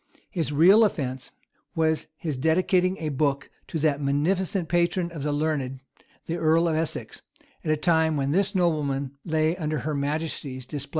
His real offence was his dedicating a book to that munificent patron of the learned, the earl of Essex, at a time when this nobleman lay under her majesty's displeasure.